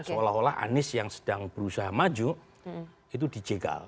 seolah olah anies yang sedang berusaha maju itu dijegal